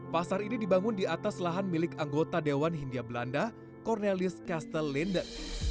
pasar ini dibangun di atas lahan milik anggota dewan hindia belanda cornelius castellenden